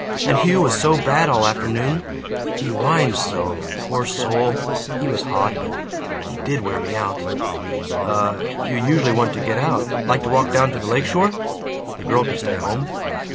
And Hugh was so bad all afternoon. He whined so. Poor soul, he was hot, but he did wear me out." "Uh You usually want to get out. Like to walk down to the lake shore? (The girl can stay home.)